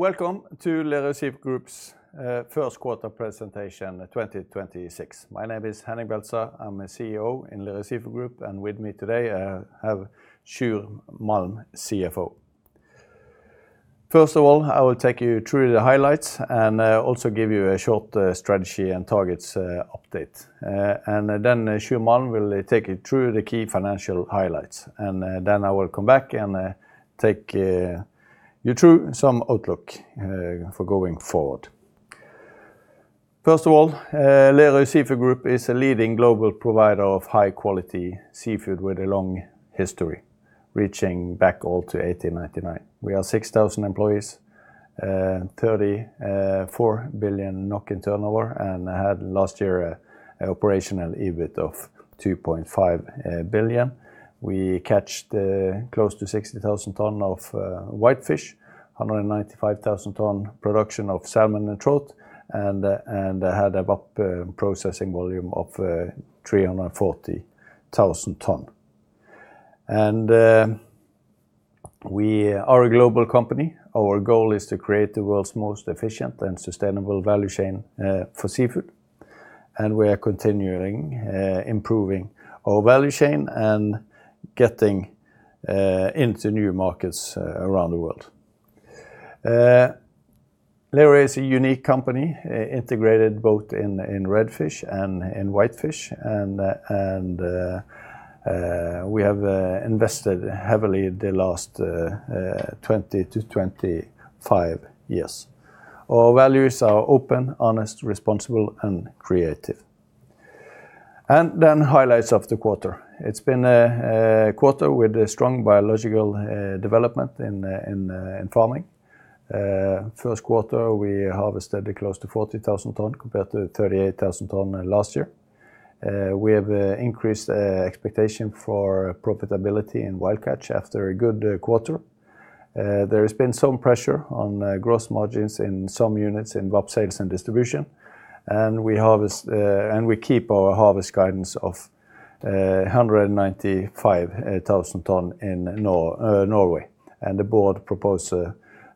Welcome to Lerøy Seafood Group's First Quarter Presentation 2026. My name is Henning Beltestad. I'm a CEO in Lerøy Seafood Group, and with me today, I have Sjur Malm, CFO. First of all, I will take you through the highlights and also give you a short strategy and targets update. Sjur Malm will take you through the key financial highlights, and then I will come back and take you through some outlook for going forward. First of all, Lerøy Seafood Group is a leading global provider of high-quality seafood with a long history, reaching back all to 1899. We are 6,000 employees, 34 billion NOK in turnover, and had last year an operational EBIT of 2.5 billion. We catched close to 60,000 tons of whitefish, 195,000 tons production of salmon and trout, and had a VAP processing volume of 340,000 tons. We are a global company. Our goal is to create the world's most efficient and sustainable value chain for seafood, We are continuing improving our value chain and getting into new markets around the world. Lerøy is a unique company, integrated both in red fish and in whitefish, we have invested heavily the last 20-25 years. Our values are open, honest, responsible, and creative. Highlights of the quarter. It's been a quarter with a strong biological development in farming. First quarter, we harvested close to 40,000 tons compared to 38,000 tons last year. We have increased expectation for profitability in Wild Catch after a good quarter. There has been some pressure on gross margins in some units in VAP, Sales & Distribution. We keep our harvest guidance of 195,000 tons in Norway. The board propose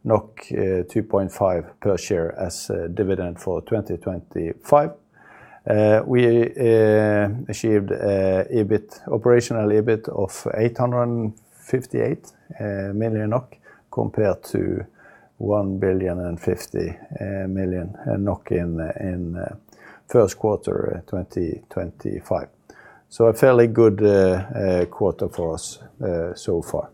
2.5 per share as a dividend for 2025. We achieved EBIT, operational EBIT of 858 million NOK compared to 1.05 billion in first quarter 2025. A fairly good quarter for us so far.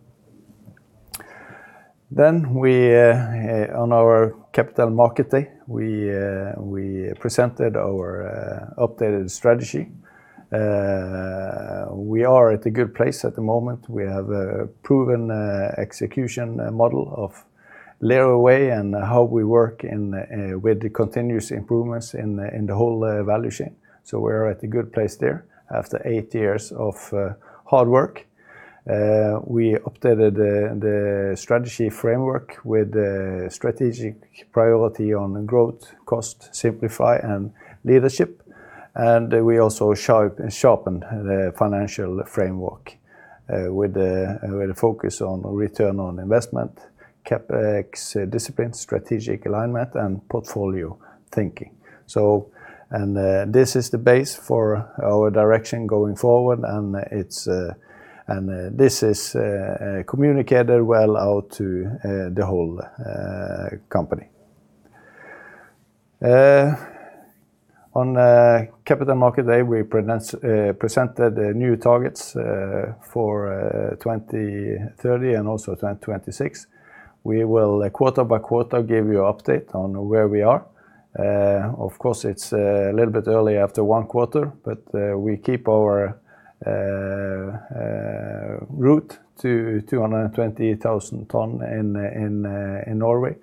On our Capital Markets Day we presented our updated strategy. We are at a good place at the moment. We have a proven execution model of Lerøy Way and how we work with the continuous improvements in the whole value chain. We're at a good place there after eight years of hard work. We updated the strategy framework with the strategic priority on growth, cost, simplify, and leadership. We also sharpened the financial framework with a focus on return on investment, CapEx discipline, strategic alignment, and portfolio thinking. This is the base for our direction going forward and it's communicated well out to the whole company. On Capital Markets Day, we presented new targets for 2030 and also 2026. We will quarter by quarter give you update on where we are. Of course, it's a little bit early after one quarter, but we keep our route to 220,000 ton in Norway.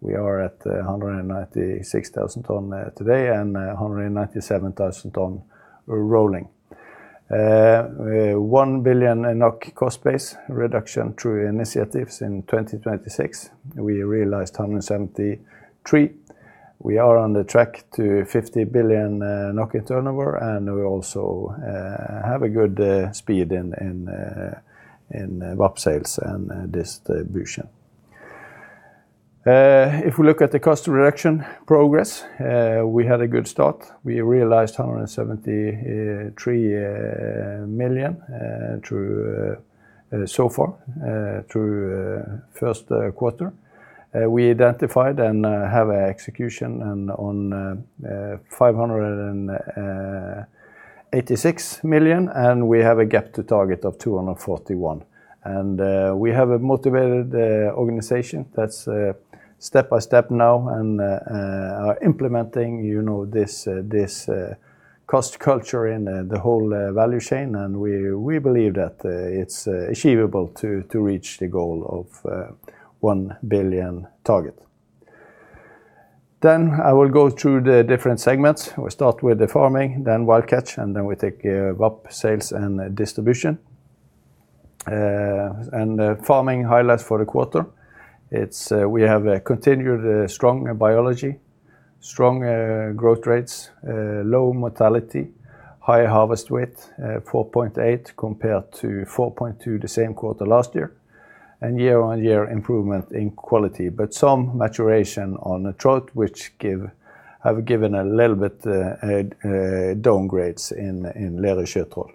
We are at 196,000 ton today and 197,000 ton rolling. 1 billion NOK cost base reduction through initiatives in 2026. We realized 173 million. We are on the track to 50 billion in turnover, and we also have a good speed in VAP, Sales & Distribution. If we look at the cost reduction progress, we had a good start. We realized 173 million through so far through first quarter. We identified and have execution and on 586 million, and we have a gap to target of 241 million. We have a motivated organization that's step-by-step now and are implementing, you know, this cost culture in the whole value chain. We believe that it's achievable to reach the goal of 1 billion target. I will go through the different segments. We start with the Farming, then Wild Catch, and then we take VAP, Sales & Distribution. The Farming highlights for the quarter, we have a continued strong biology. Strong growth rates, low mortality, high harvest weight, 4.8 kg compared to 4.2 kg the same quarter last year, and year-on-year improvement in quality, but some maturation on the trout which have given a little bit downgrades in Lerøy Sjøtroll.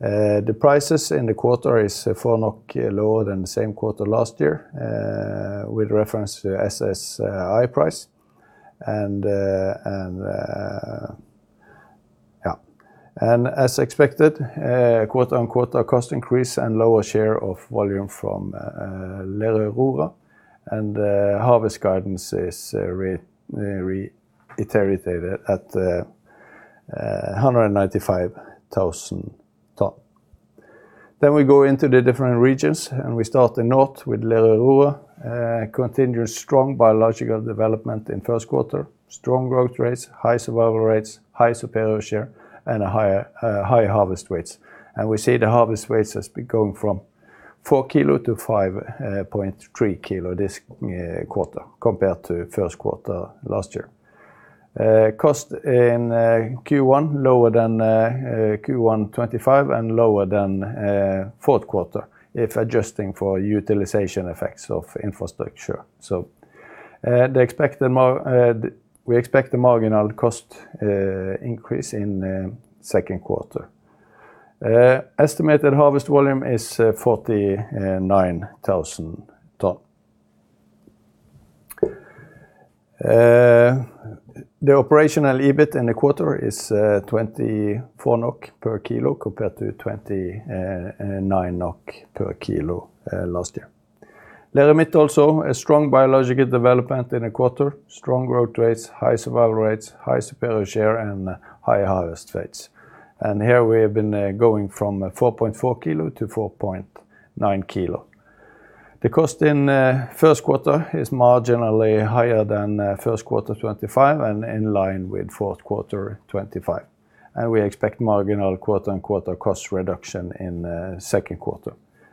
The prices in the quarter is NOK 4 lower than the same quarter last year with reference to SSB price. As expected, quarter-on-quarter cost increase and lower share of volume from Lerøy Aurora, and harvest guidance is reiterated at 195,000 tonnes. We go into the different regions, and we start in north with Lerøy Aurora. Continuous strong biological development in first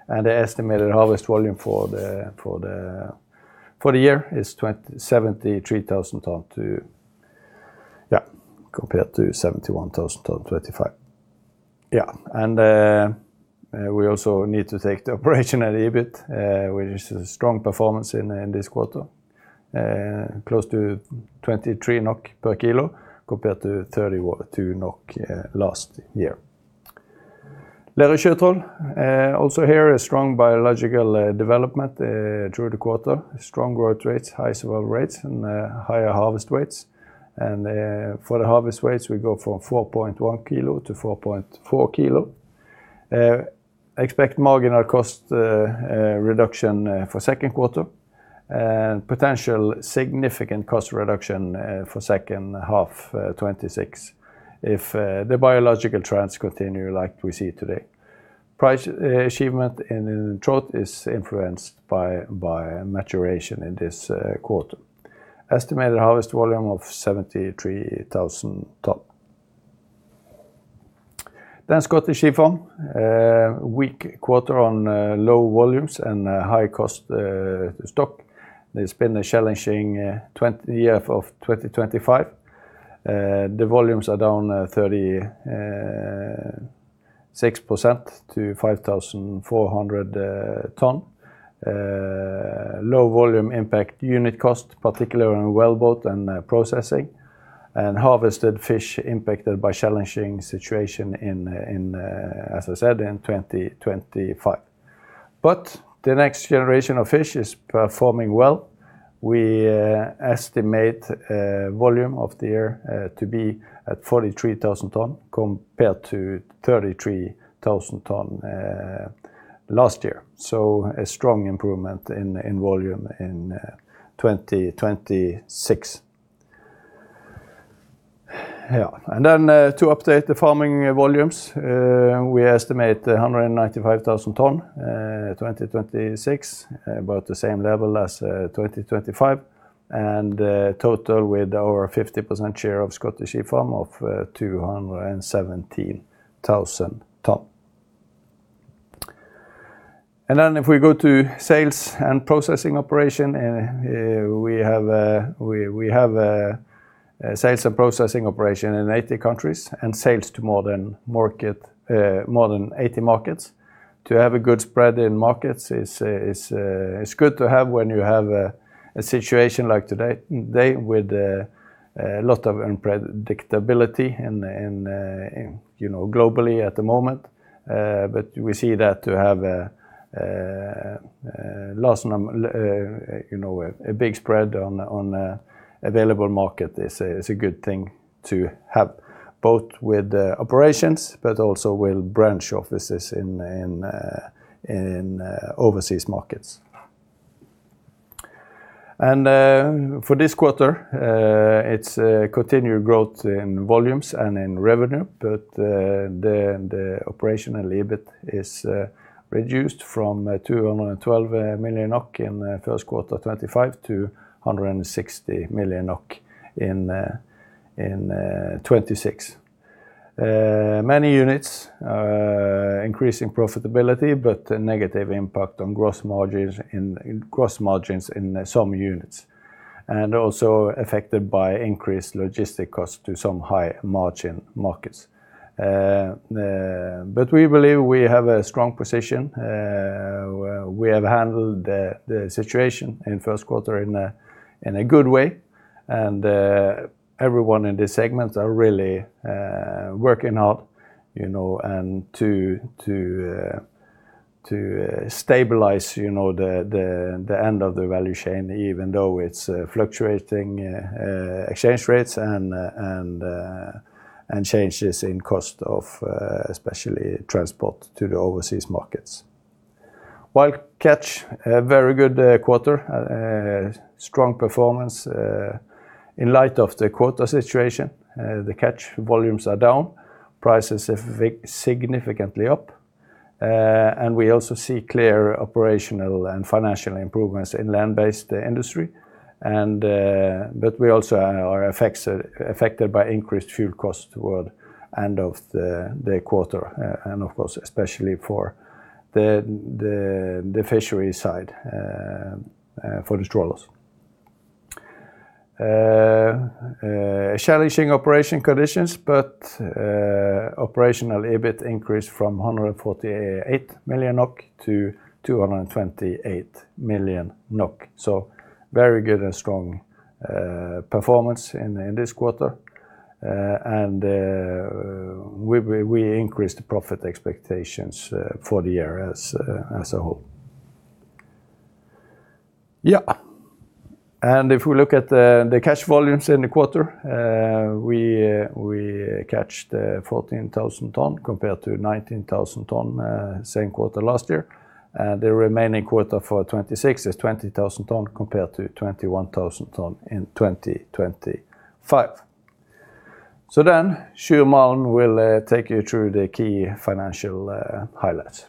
The estimated harvest volume for the year is 73,000 tonnes compared to 71,000 tonnes 2025. We also need to take the operational EBIT, which is a strong performance in this quarter, close to 23 NOK per kg compared to 32 NOK last year. Lerøy Sjøtroll, also here a strong biological development through the quarter, strong growth rates, high survival rates, and higher harvest weights. For the harvest weights, we go from 4.1 kg-4.4 kg. Expect marginal cost reduction for second quarter and potential significant cost reduction for second half 2026 if the biological trends continue like we see today. Price achievement in trout is influenced by maturation in this quarter. Estimated harvest volume of 73,000 tonnes. Scottish Sea Farms, weak quarter on low volumes and high cost stock. It's been a challenging year of 2025. The volumes are down 36% to 5,400 tonnes. Low volume impact unit cost, particularly on wellboat and processing. Harvested fish impacted by challenging situation in, as I said, in 2025. The next generation of fish is performing well. We estimate volume of the year to be at 43,000 tons compared to 33,000 tons last year. A strong improvement in volume in 2026. Yeah. Then to update the Farming volumes, we estimate 195,000 tons 2026, about the same level as 2025. Total with our 50% share of Scottish Sea Farms of 217,000 tons. Then if we go to sales and processing operation, we have sales and processing operation in 80 countries and sales to more than 80 markets. To have a good spread in markets is good to have when you have a situation like today with a lot of unpredictability globally at the moment. We see that to have a big spread on available market is a good thing to have, both with operations but also with branch offices in overseas markets. For this quarter, it's continued growth in volumes and in revenue, but the operational EBIT is reduced from 212 million NOK in first quarter 2025 to 160 million NOK in 2026. Many units, increasing profitability, but a negative impact on gross margins in some units, and also affected by increased logistic costs to some high-margin markets. We believe we have a strong position. We have handled the situation in first quarter in a good way and everyone in this segment are really working hard, you know, to stabilize, you know, the end of the value chain even though it's fluctuating exchange rates and changes in cost of especially transport to the overseas markets. Wild Catch, a very good quarter. Strong performance in light of the quota situation. The catch volumes are down, prices are significantly up. We also see clear operational and financial improvements in land-based industry. We also are affected by increased fuel costs toward end of the first quarter and of course, especially for the fishery side, for the trawlers. Challenging operation conditions, operational EBIT increased from 148 million-228 million NOK, very good and strong performance in this quarter. We increased the profit expectations for the year as a whole. Yeah. If we look at the catch volumes in the quarter, we caught 14,000 ton compared to 19,000 ton same quarter last year. The remaining quarter for 2026 is 20,000 ton compared to 21,000 ton in 2025. Sjur Malm will take you through the key financial highlights.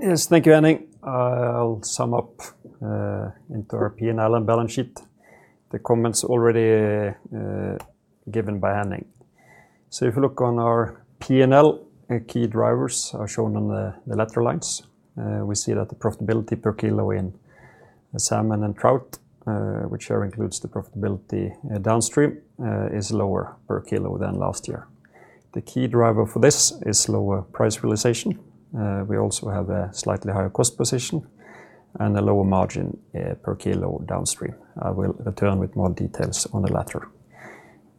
Yes. Thank you, Henning. I'll sum up into our P&L and balance sheet the comments already given by Henning. If you look on our P&L, key drivers are shown on the lateral lines. We see that the profitability per kilo in salmon and trout, which here includes the profitability downstream, is lower per kilo than last year. The key driver for this is lower price realization. We also have a slightly higher cost position and a lower margin per kilo downstream. I will return with more details on the latter.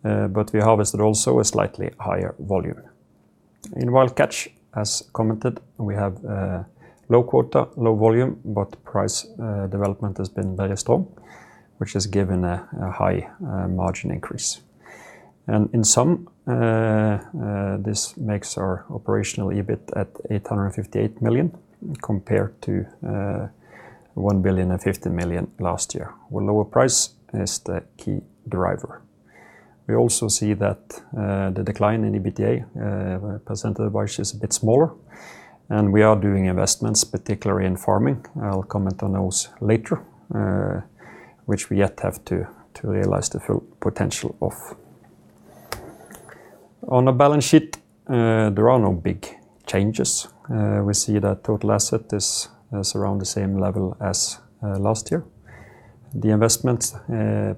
We harvested also a slightly higher volume. In Wild Catch, as commented, we have low quota, low volume, but price development has been very strong, which has given a high margin increase. In sum, this makes our operational EBIT at 858 million compared to 1.05 billion last year, where lower price is the key driver. We also see that the decline in EBITDA percentage-wise is a bit smaller, and we are doing investments, particularly in Farming. I'll comment on those later, which we yet have to realize the full potential of. On the balance sheet, there are no big changes. We see that total asset is around the same level as last year. The investments,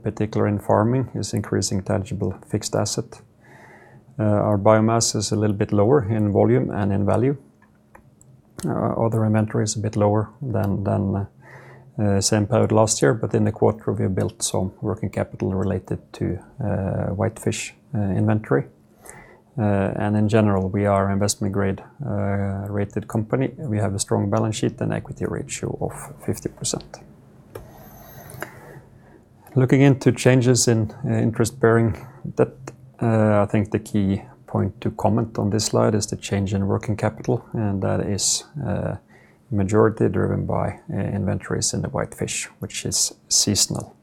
particularly in Farming, is increasing tangible fixed asset. Our biomass is a little bit lower in volume and in value. Other inventory is a bit lower than same period last year, but in the quarter, we built some working capital related to whitefish inventory. In general, we are investment grade rated company. We have a strong balance sheet and equity ratio of 50%. Looking into changes in interest-bearing debt, I think the key point to comment on this slide is the change in working capital, and that is majority driven by inventories in the whitefish, which is seasonal.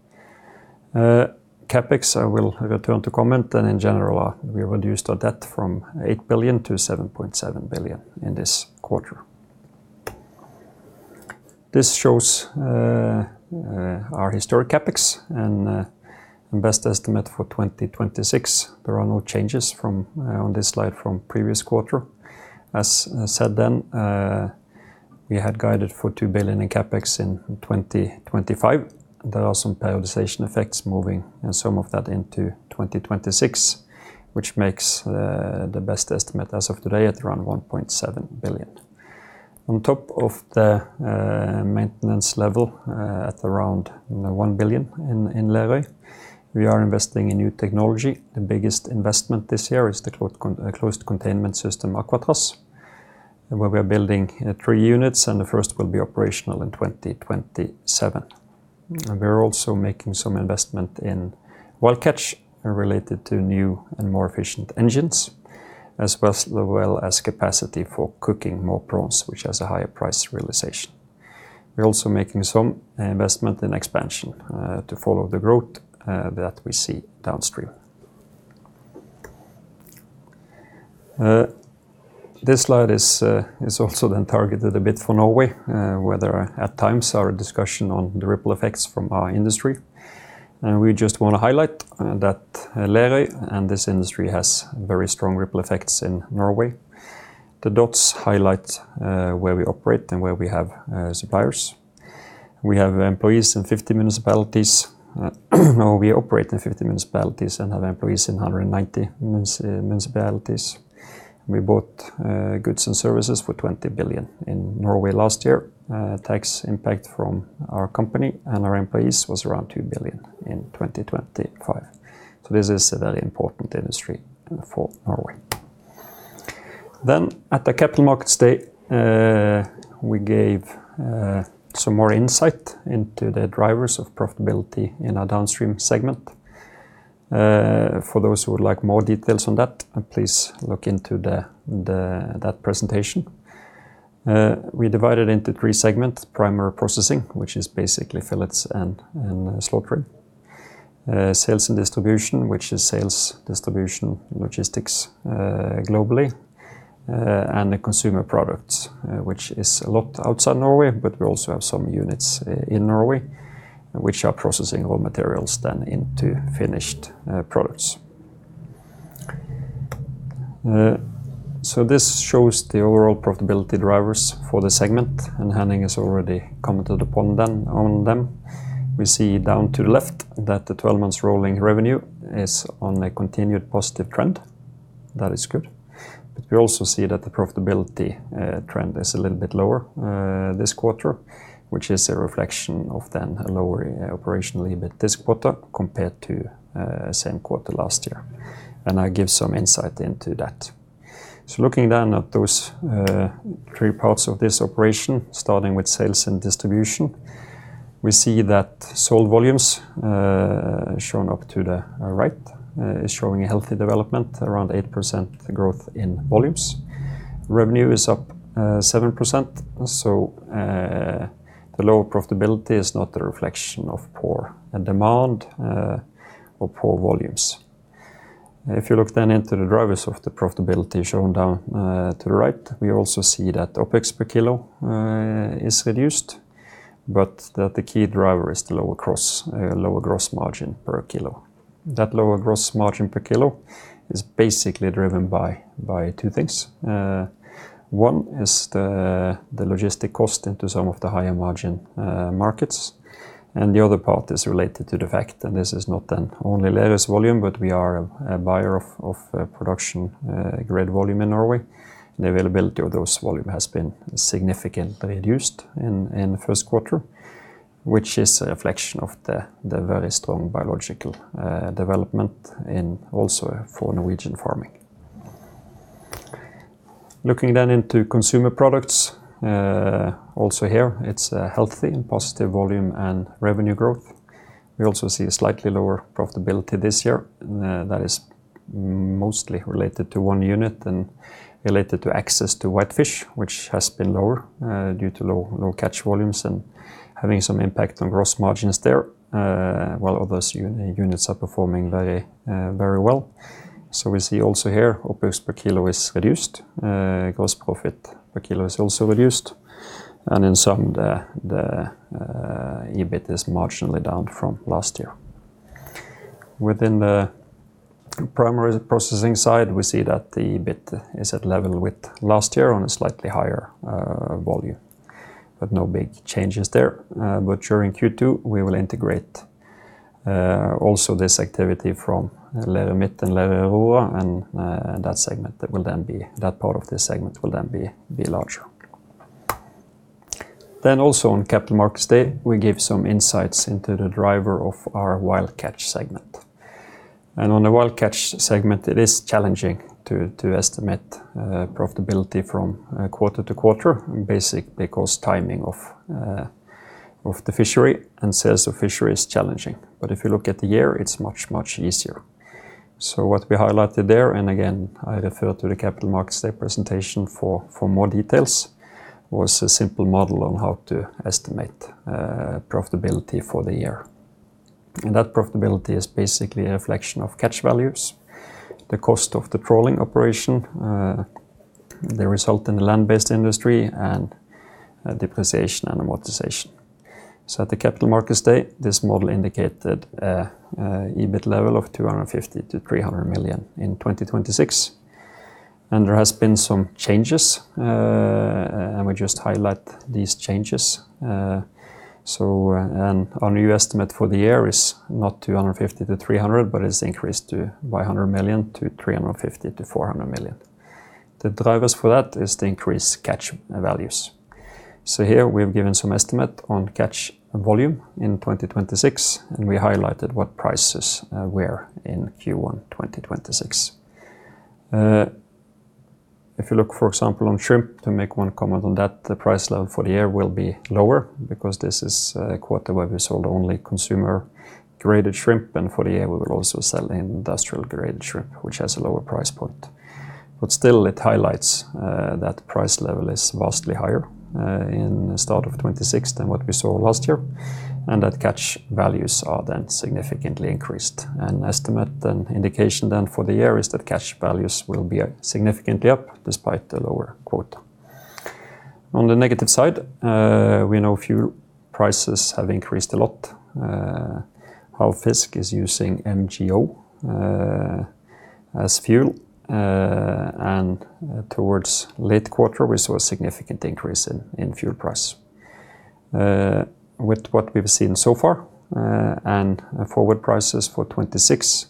CapEx, I will return to comment, and in general, we reduced our debt from 8 billion-7.7 billion in this quarter. This shows our historic CapEx and best estimate for 2026. There are no changes on this slide from previous quarter. As said then, we had guided for 2 billion in CapEx in 2025. There are some periodization effects moving some of that into 2026, which makes the best estimate as of today at around 1.7 billion. On top of the maintenance level, at around 1 billion in Lerøy, we are investing in new technology. The biggest investment this year is the closed containment system Aquatraz, where we are building three units, and the first will be operational in 2027. We are also making some investment in Wild Catch related to new and more efficient engines, as well as capacity for cooking more prawns, which has a higher price realization. We are also making some investment in expansion to follow the growth that we see downstream. This slide is also then targeted a bit for Norway, where there are at times are discussion on the ripple effects from our industry. We just want to highlight that Lerøy and this industry has very strong ripple effects in Norway. The dots highlight where we operate and where we have suppliers. We have employees in 50 municipalities. We operate in 50 municipalities and have employees in 190 municipalities. We bought goods and services for 20 billion in Norway last year. Tax impact from our company and our employees was around 2 billion in 2025. This is a very important industry for Norway. At the Capital Markets Day, we gave some more insight into the drivers of profitability in our downstream segment. For those who would like more details on that, please look into that presentation. We divide it into three segment: primary processing, which is basically fillets and slaughtering. Sales & Distribution, which is sales, distribution, logistics, globally. The consumer products, which is a lot outside Norway, but we also have some units in Norway which are processing raw materials then into finished, products. this shows the overall profitability drivers for the segment, and Henning has already commented upon them on them. We see down to the left that the 12 months rolling revenue is on a continued positive trend. That is good. we also see that the profitability, trend is a little bit lower, this quarter, which is a reflection of then a lower operational EBIT this quarter compared to, same quarter last year. I give some insight into that. Looking then at those, three parts of this operation, starting with Sales & Distribution, we see that sold volumes shown up to the right is showing a healthy development, around 8% growth in volumes. Revenue is up, 7%, so, the lower profitability is not a reflection of poor demand or poor volumes. If you look then into the drivers of the profitability shown down to the right, we also see that OpEx per kilo is reduced, but that the key driver is the lower gross, lower gross margin per kilo. That lower gross margin per kilo is basically driven by two things. One is the logistic cost into some of the higher margin markets, and the other part is related to the fact that this is not then only Lerøy's volume, but we are a buyer of production grade volume in Norway. The availability of those volume has been significantly reduced in the first quarter, which is a reflection of the very strong biological development also for Norwegian Farming. Looking into consumer products, also here it's a healthy and positive volume and revenue growth. We also see a slightly lower profitability this year. That is mostly related to one unit and related to access to whitefish, which has been lower due to low catch volumes and having some impact on gross margins there, while other units are performing very well. We see also here OpEx per kilo is reduced. Gross profit per kilo is also reduced. In sum, the EBIT is marginally down from last year. Within the primary processing side, we see that the EBIT is at level with last year on a slightly higher volume. No big changes there. During Q2, we will integrate also this activity from Lerøy Midt and Lerøy Nord, and that segment will then be, that part of this segment will then be larger. Also on Capital Markets Day, we gave some insights into the driver of our Wild Catch segment. On the Wild Catch segment, it is challenging to estimate profitability from quarter-to-quarter, basically because timing of the fishery and sales of fishery is challenging. If you look at the year, it's much, much easier. What we highlighted there, and again, I refer to the Capital Markets Day presentation for more details, was a simple model on how to estimate profitability for the year. That profitability is basically a reflection of catch values, the cost of the trawling operation, the result in the land-based industry, and depreciation and amortization. At the Capital Markets Day, this model indicated an EBIT level of 250 million-300 million in 2026. There has been some changes, and we just highlight these changes. Our new estimate for the year is 250 million-300 million, but it's increased by 100 million to 350 million-400 million. The drivers for that is the increased catch values. Here we have given some estimate on catch volume in 2026, and we highlighted what prices were in Q1 2026. If you look, for example, on shrimp, to make one comment on that, the price level for the year will be lower because this is a quarter where we sold only consumer-graded shrimp, and for the year we will also sell industrial-grade shrimp, which has a lower price point. Still it highlights that price level is vastly higher in the start of 2026 than what we saw last year, and that catch values are then significantly increased. An estimate and indication then for the year is that catch values will be significantly up despite the lower quota. On the negative side, we know fuel prices have increased a lot. Havfisk is using MGO as fuel. Towards late quarter, we saw a significant increase in fuel price. With what we've seen so far and forward prices for 2026,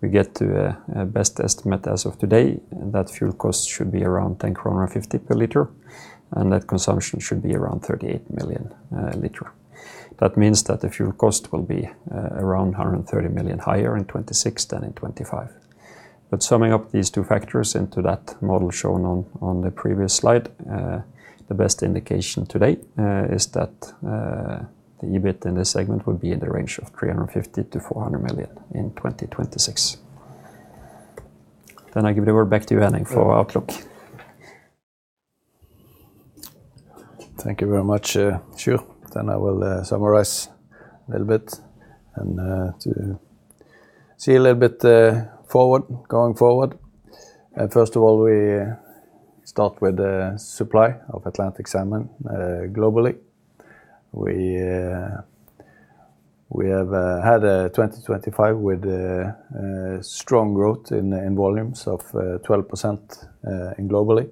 we get to a best estimate as of today that fuel costs should be around 10.50 kroner per liter, and that consumption should be around 38 million a liter. That means that the fuel cost will be around 130 million higher in 2026 than in 2025. Summing up these two factors into that model shown on the previous slide, the best indication today is that the EBIT in this segment would be in the range of 350 million-400 million in 2026. I give the word back to you, Henning, for outlook. Thank you very much, Sjur. I will summarize a little bit and to see a little bit forward, going forward. First of all, we start with the supply of Atlantic Salmon globally. We have had 2025 with strong growth in volumes of 12% in globally.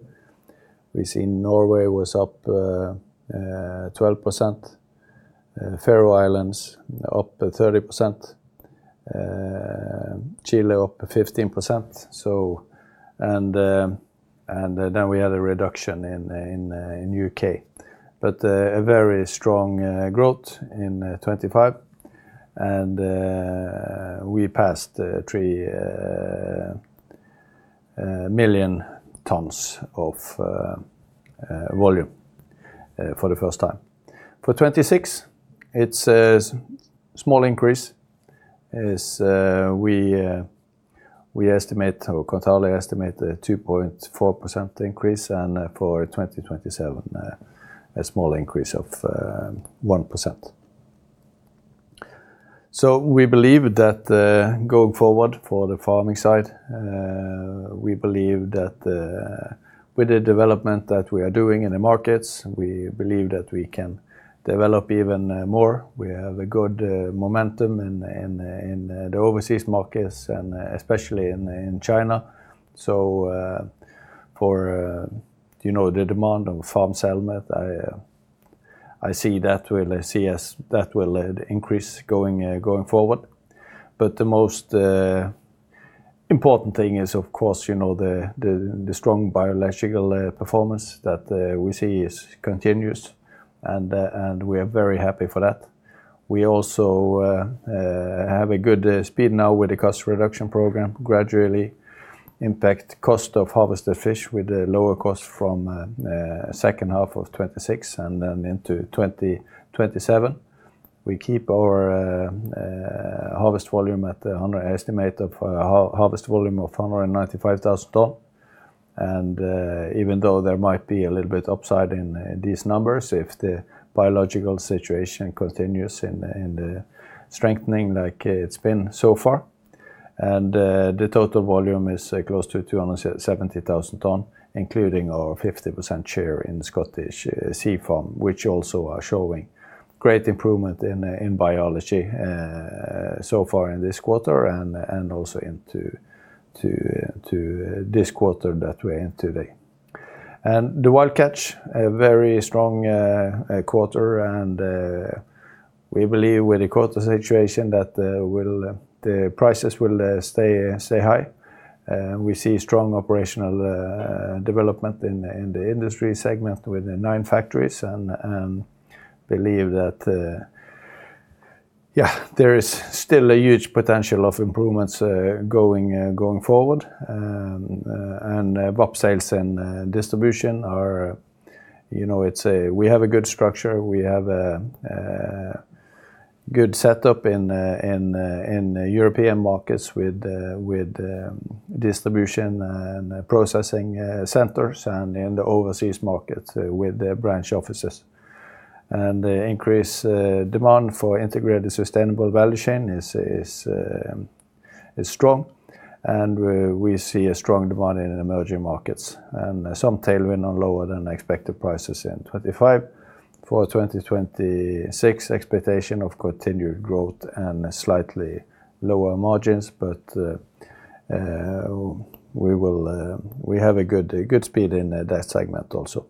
We see Norway was up 12%. Faroe Islands up 30%. Chile up 15%. Then we had a reduction in U.K. A very strong growth in 2025 and we passed 3 million tons of volume for the first time. For 2026, it's a small increase, as we estimate, or Kontali estimate a 2.4% increase and for 2027, a small increase of 1%. We believe that going forward for the Farming side, we believe that with the development that we are doing in the markets, we believe that we can develop even more. We have a good momentum in the overseas markets and especially in China. For you know the demand of farmed salmon, I see that will see as that will increase going forward. The most important thing is, of course, you know, the strong biological performance that we see is continuous and we are very happy for that. We also have a good speed now with the cost reduction program gradually impact cost of harvested fish with a lower cost from second half of 2026 and then into 2027. We keep our harvest volume at the 100 estimate of harvest volume of 195,000 ton. Even though there might be a little bit upside in these numbers, if the biological situation continues in the strengthening like it's been so far. The total volume is close to 270,000 tons, including our 50% share in Scottish Sea Farms, which also are showing great improvement in biology so far in this quarter and also into this quarter that we're in today. The Wild Catch a very strong quarter and we believe with the quota situation that the prices will stay high. We see strong operational development in the industry segment with the nine factories and believe that yeah there is still a huge potential of improvements going forward. VAP, Sales & Distribution are, you know. We have a good structure. We have a good setup in European markets with distribution and processing centers and in the overseas markets with the branch offices. The increased demand for integrated sustainable value chain is strong and we see a strong demand in emerging markets and some tailwind on lower than expected prices in 2025. For 2026, expectation of continued growth and slightly lower margins, but we have a good speed in that segment also.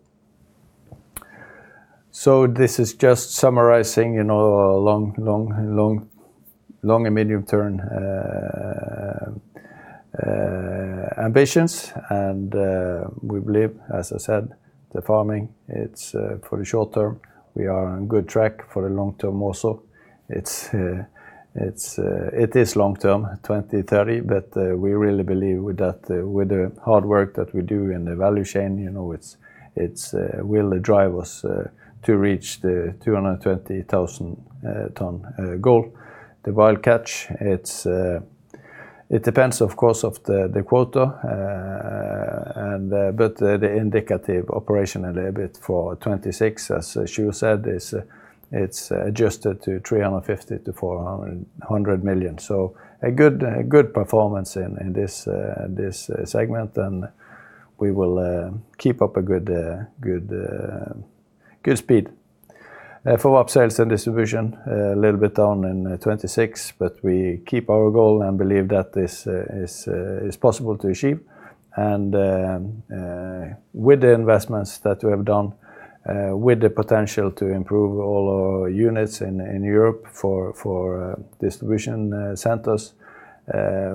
This is just summarizing, you know, long and medium term ambitions. We believe, as I said, the Farming, it's for the short term. We are on good track for the long term also. It is long term, 2030, but we really believe with that, with the hard work that we do in the value chain, you know, it will drive us to reach the 220,000 ton goal. The Wild Catch, it depends, of course, of the quota, and but the indicative operational EBIT for 2026, as Sjur said, is adjusted to 350 million-400 million. A good performance in this segment and we will keep up a good speed. For VAP, Sales & Distribution, a little bit down in 2026, but we keep our goal and believe that this is possible to achieve. With the investments that we have done, with the potential to improve all our units in Europe for distribution centers,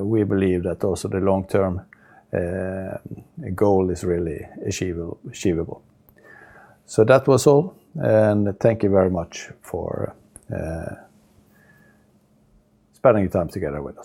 we believe that also the long-term goal is really achievable. That was all and thank you very much for spending time together with us.